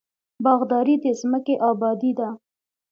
باغداري د ځمکې ابادي ده.